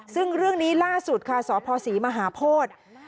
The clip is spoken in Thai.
ซึ่งเรื่องนี้ล่าสุดค่ะสพศรีมหาโพธิ